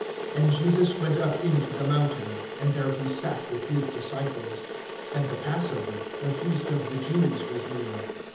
(3)And Jesus went up into the mountain, and there he sat with his disciples. (4)And the passover, the feast of the Jews, was near.